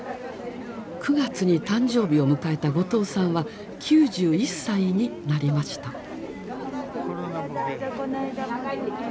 ９月に誕生日を迎えた後藤さんは９１歳になりました。